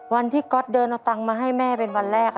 วันที่ก๊อตเดินเอาตังค์มาให้แม่เป็นวันแรก